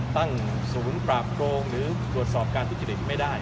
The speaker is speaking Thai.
ตั้งศูนย์ปราบโกงหรือตรวจสอบการทุจริตไม่ได้